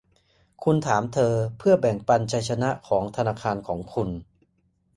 คุณถามเธอเพื่อแบ่งปันชัยชนะของธนาคารของคุณ